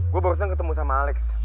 gue baru senang ketemu sama alex